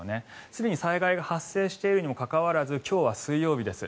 すでに災害が発生しているにもかかわらず今日は水曜日です。